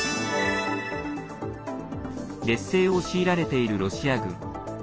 劣勢を強いられているロシア軍。